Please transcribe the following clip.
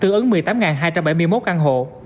tương ứng một mươi tám hai trăm bảy mươi một căn hộ